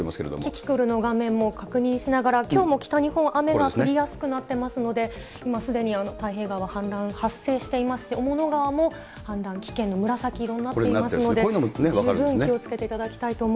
キキクルの画面も確認しながら、きょうも北日本、雨が降りやすくなってますので、今すでに太平川、氾濫発生していますし、雄物川も氾濫危険の紫色こういうのもね、分かるんで十分気をつけていただきたい